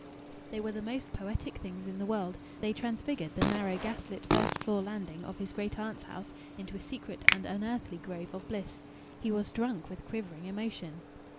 They were the most poetic things in the world. They transfigured the narrow, gaslit first floor landing of his great aunt's house into a secret and unearthly grove of bliss. He was drunk with quivering emotion.